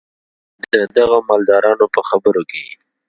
د دغو مالدارانو په خبرو کې.